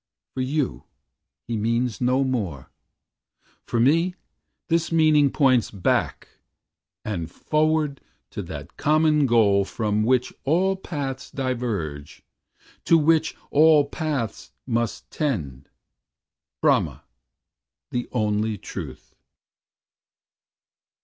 For you, he means no more. For me, this meaning Points back and forward to that common goal From which all paths diverge; to which, All paths must tend Brahma, the only Truth!